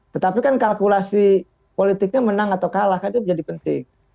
tetapi kan kalkulasi politiknya menang atau kalah kan itu menjadi penting